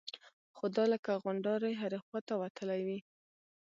خو دا لکه غونډارې هرې خوا ته وتلي وي.